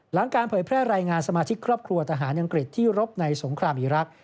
หลังการเผยแพร่รายงานสมาชิกครอบครัวทหารอังกฤษที่รบในสงครามอีรักษ